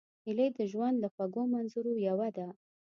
هیلۍ د ژوند له خوږو منظرو یوه ده